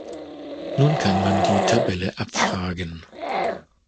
Nun kann man die Tabelle abfragen.